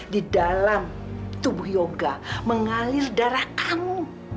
di dalam tubuh yoga mengalir darah kamu